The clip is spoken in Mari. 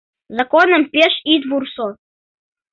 Законым пеш ит вурсо...